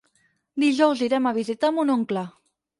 Dijous irem a visitar mon oncle.